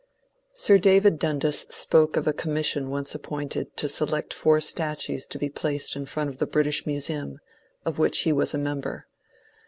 " Sir David Dundas spoke of a commission once appointed to select four statues to be placed in front of the British Museum, of which he was a member.